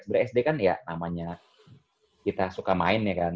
sebenernya sd kan ya namanya kita suka main ya kan